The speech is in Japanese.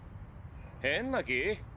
変な気？